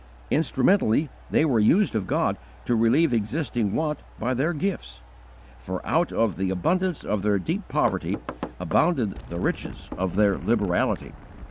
Instrumentally they were used of God to relieve existing want by their gifts, for out of the abundance of their deep poverty abounded the riches of their liberality.